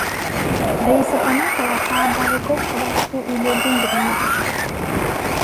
Раиса Понакова шаардагы көп кабаттуу үйлөрдүн биринде жашайт.